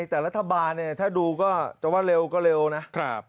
แต่รัฐบาลเนี่ยถ้าดูก็จะว่าเร็วก็เร็วนะ